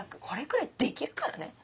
これくらいできるからね。